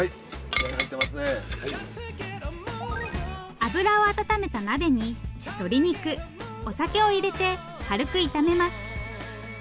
油を温めた鍋に鶏肉お酒を入れて軽く炒めます。